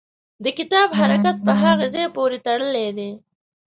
د کتاب حرکت په هغه ځای پورې تړلی دی.